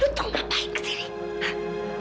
lu tau ngapain kesini